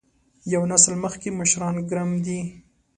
یو نسل مخکې مشران ګرم دي.